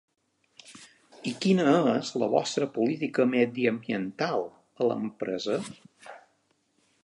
I quina és la vostra política mediambiental, a l'empresa?